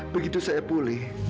begitu saya pulih